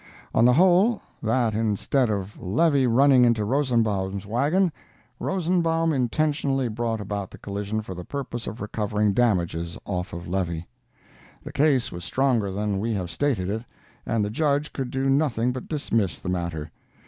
On the whole, that instead of Levy running into Rosenbaum's wagon, Rosenbaum intentionally brought about the collision for the purpose of recovering damages off of Levy. The case was stronger than we have stated it, and the Judge could do nothing but dismiss the matter.